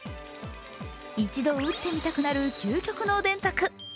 一度打ってみたくなる究極の電卓。